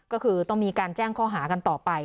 ก็คือต้องมีการแจ้งข้อหากันต่อไป